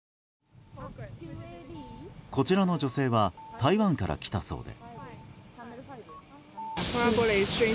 こちらの女性は台湾から来たそうで。